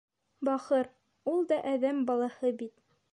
Бахыр, ул да әҙәм балаһы бит.